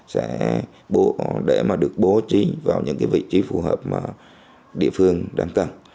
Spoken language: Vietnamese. sẽ để mà được bố trí vào những cái vị trí phù hợp mà địa phương đang cần